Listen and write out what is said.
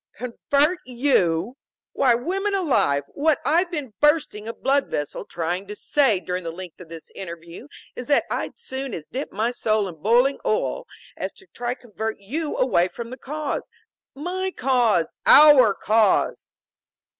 "Convert you! Why women alive, what I've been bursting a blood vessel trying to say during the length of this interview is that I'd as soon dip my soul in boiling oil as try to convert you away from the cause. My cause! Our cause!"